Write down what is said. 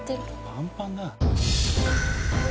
パンパンだ。